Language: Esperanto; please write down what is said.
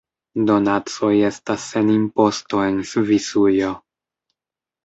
Donacoj estas sen imposto en Svisujo.